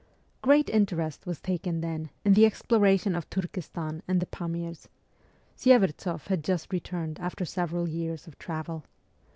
Great interest was taken then in the exploration of Turkestan and the Pamirs. Sye'vertsoff had just re turned after several years of travel.